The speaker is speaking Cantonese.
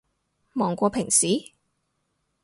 忙過平時？